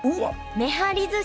めはりずし！